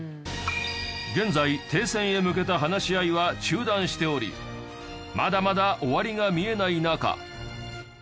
現在停戦へ向けた話し合いは中断しておりまだまだ終わりが見えない中。